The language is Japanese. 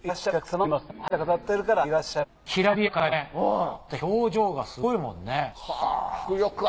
また表情がすごいもんね。